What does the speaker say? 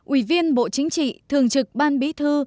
ủy viên bộ chính trị thường trực ban bí thư